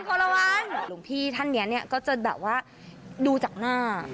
หลวงพี่ท่านเนี่ยก็จะแบบว่าดูจากหน้า